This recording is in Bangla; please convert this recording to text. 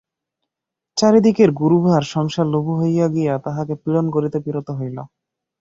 চারি দিকের গুরুভার সংসার লঘু হইয়া গিয়া তাহাকে পীড়ন করিতে বিরত হইল।